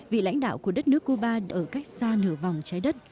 vị lãnh đạo của đất nước cuba ở cách xa nửa vòng trái đất